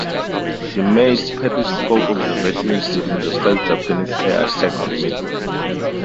She made periscope observations during the first Japanese air attack on Midway.